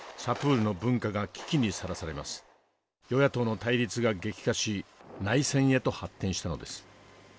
与野党の対立が激化し内戦へと発展したのです。